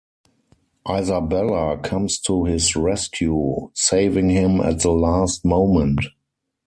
Isabella comes to his rescue, saving him at the last moment.